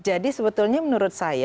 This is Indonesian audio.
jadi sebetulnya menurut saya